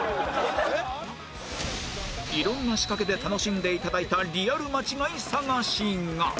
いろんな仕掛けで楽しんでいただいたリアル間違い探しが